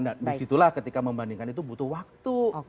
nah disitulah ketika membandingkan itu butuh waktu